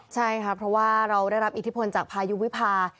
ใช่ค่ะเพราะว่าเราได้รับอิทธิพลจากพายุวิพา